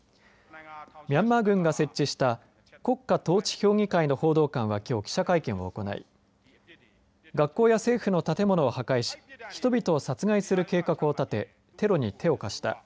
ミャンマー軍が設置した国家統治評議会の報道官はきょう記者会見を行い学校や政府の建物を破壊し人々を殺害する計画を立てテロに手を貸した。